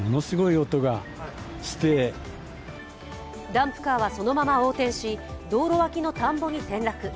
ダンプカーはそのまま横転し、道路脇の田んぼに転落。